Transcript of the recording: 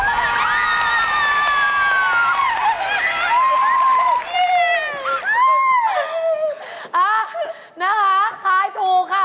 อะนะคะคลายถูกค่ะ